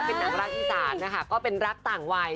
เป็นนักลักษณ์ศึกษานะค่ะก็เป็นรักต่างวัย